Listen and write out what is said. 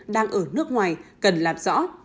đang ở nước ngoài cần làm rõ